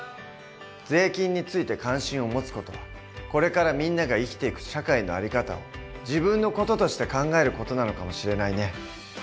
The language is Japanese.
税金について関心を持つ事はこれからみんなが生きていく社会の在り方を自分の事として考える事なのかもしれないね。